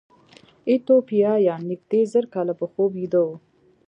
ایتوپیایان نږدې زر کاله په خوب ویده وو.